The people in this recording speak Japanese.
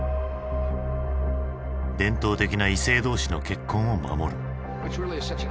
伝統的な異性同士の結婚を守る。